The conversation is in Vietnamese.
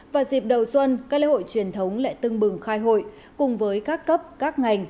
và dịp đầu xuân các lễ hội truyền thống lại tưng bừng khai hội cùng với các cấp các ngành